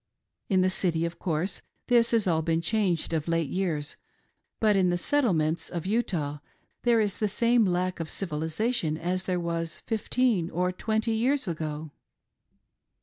In the city, of course, this has all been changed of late years, but in the Settlements of Utah there is the same lack of civilisation as there was fifteen or twenty years ago.